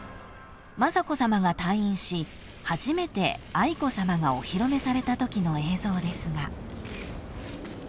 ［雅子さまが退院し初めて愛子さまがお披露目されたときの映像ですが］